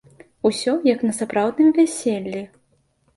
Усё, як на сапраўдным вяселлі!